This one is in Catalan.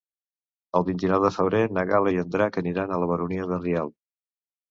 El vint-i-nou de febrer na Gal·la i en Drac aniran a la Baronia de Rialb.